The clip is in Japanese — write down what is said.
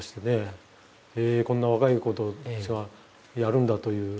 へえこんな若い子たちがやるんだという。